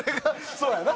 そうやな。